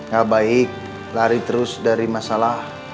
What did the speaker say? gak baik lari terus dari masalah